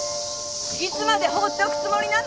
いつまで放っておくつもりなの！？